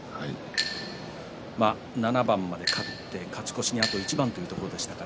７番まで勝って勝ち越しにあと一番というところでした。